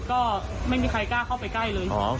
ก็ไม่มีใครกล้าเข้าไปใกล้เลย